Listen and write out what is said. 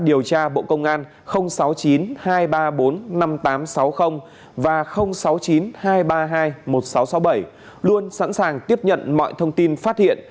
điều tra bộ công an sáu mươi chín hai trăm ba mươi bốn năm nghìn tám trăm sáu mươi và sáu mươi chín hai trăm ba mươi hai một nghìn sáu trăm sáu mươi bảy luôn sẵn sàng tiếp nhận mọi thông tin phát hiện